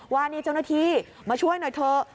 ว่านี่เจ้าหน้าที่มาช่วยหน่อยเถอะ